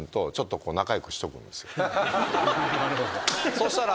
そしたら。